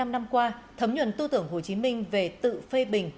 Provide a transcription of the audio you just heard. bảy mươi năm năm qua thấm nhuận tư tưởng hồ chí minh về tự phê bình